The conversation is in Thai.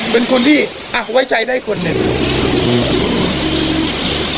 เป็นคนที่อ้าวไว้ใจได้คนหนึ่ง